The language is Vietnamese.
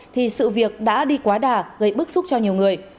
thì sự việc đã đi quá đà gây bức xúc cho nhiều người